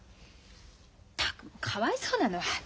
ったくもうかわいそうなのは私だよ。